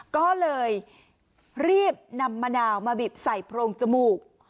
ก็เลยรีบนำมะนาวมาบีบใส่โพรงจมูก